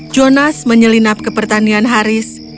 jonas menyelinap ke pertanian haris